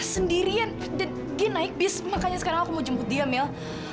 sendirian dia naik bis makanya sekarang aku mau jemput dia mil